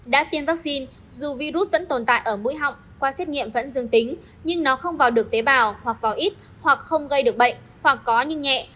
đã tiêm vaccine dù virus vẫn tồn tại ở mũi họng qua xét nghiệm vẫn dương tính nhưng nó không vào được tế bào hoặc vào ít hoặc không gây được bệnh hoặc có nhưng nhẹ